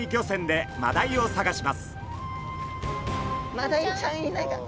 マダイちゃんいないかな？